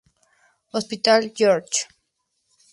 Hospital George.